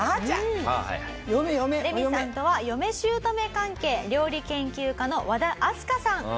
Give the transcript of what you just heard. レミさんとは嫁姑関係料理研究家の和田明日香さん。